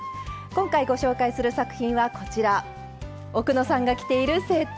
今回ご紹介する作品はこちら奥野さんが着ているセットアップです！